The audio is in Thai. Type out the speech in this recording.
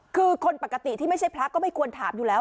คือคนปกติที่ไม่ใช่พระก็ไม่ควรถามอยู่แล้ว